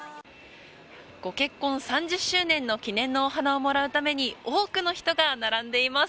ご結婚３０周年の記念のお花をもらうために多くの人が並んでいます。